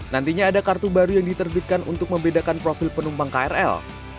nantinya ada kartu baru yang diterbitkan untuk membedakan profil penumpang krl